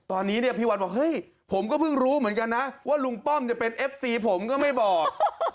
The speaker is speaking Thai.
ตอนนี้เนี่ยพี่วันบอกเฮ้ยผมก็เพิ่งรู้เหมือนกันนะว่าลุงป้อมจะเป็นเอฟซีผมก็ไม่บอก